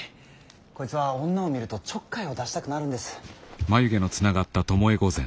こいつは女を見るとちょっかいを出したくなるんです。